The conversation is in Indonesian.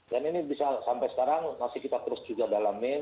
dan ini bisa sampai sekarang masih kita terus juga dalamin